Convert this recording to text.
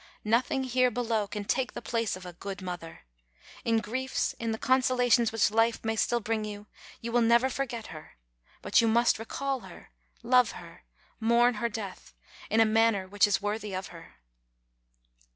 Nothing here below can take the place of a good mother. In griefs, in the consolations which life may still bring you, you will never forget her. But you must recall her, love her, mourn her death, in a manner which is worthy of her.